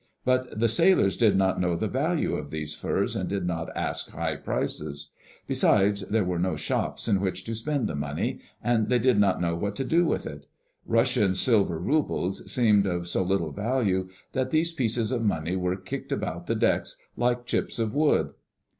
But the sailors did not know the value of these furs and did not ask high prices. Besides there were no shops in which to spend the money, and they did not know what to do with it. Russian silver roubles seemed of so little value that these pieces of money were kicked about the decks like chips of wood.